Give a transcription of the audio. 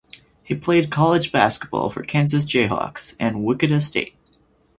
He played college basketball for Kansas Jayhawks and Wichita State.